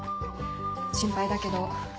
心配だけど。